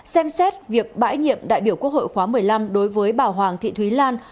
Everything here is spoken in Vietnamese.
xem xét việc bãi nhiệm đại biểu quốc hội khóa một mươi năm đối với bà hoàng thị thúy lan